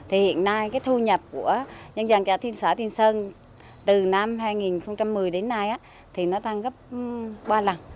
hiện nay thu nhập của nhân dân cả xã tiên sơn từ năm hai nghìn một mươi đến nay tăng gấp ba lần